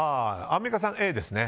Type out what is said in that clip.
アンミカさんＡですね。